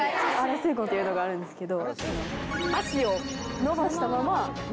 っていうのがあるんですけど。